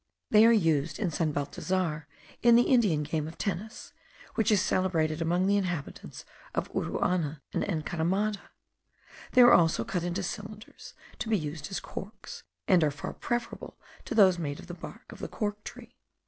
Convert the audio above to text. They are used at San Balthasar in the Indian game of tennis, which is celebrated among the inhabitants of Uruana and Encaramada; they are also cut into cylinders, to be used as corks, and are far preferable to those made of the bark of the cork tree.